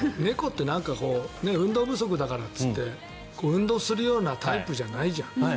猫って運動不足だからって運動するタイプじゃないじゃん。